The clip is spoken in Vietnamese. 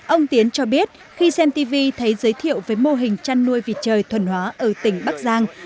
ông tiến cho biết khi xem tv thấy giới thiệu với mô hình chăn nuôi vịt trời thuần hóa ở tỉnh bắc giang